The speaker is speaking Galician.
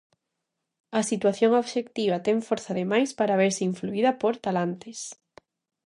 A situación obxectiva ten forza de máis para verse influída por "talantes".